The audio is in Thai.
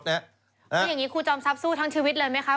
แล้วอย่างนี้ครูจอมทรัพย์สู้ทั้งชีวิตเลยไหมคะ